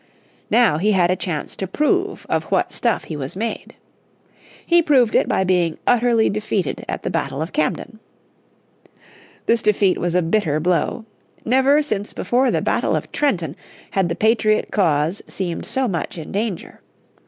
Now he had a chance to prove of what stuff he was made. He proved it by being utterly defeated at the battle of Camden. This defeat was a bitter blow. Never since before the battle of Trenton had the patriot cause seemed so much in danger.